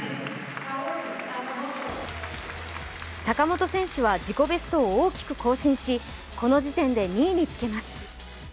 坂本選手は自己ベストを大きく更新し、この時点で２位につけます。